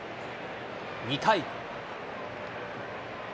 ２回。